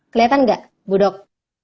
keliatan gak budok